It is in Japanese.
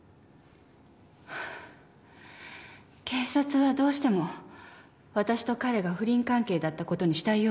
警察はどうしてもわたしと彼が不倫関係だったことにしたいようですね。